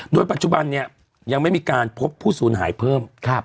โดยปัจจุบันเนี่ยยังไม่มีการพบผู้สูญหายเพิ่ม